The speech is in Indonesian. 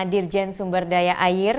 dirjen sumberdaya air